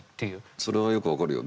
それはよく分かるよ。